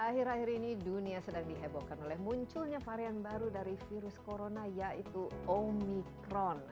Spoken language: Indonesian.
akhir akhir ini dunia sedang dihebohkan oleh munculnya varian baru dari virus corona yaitu omikron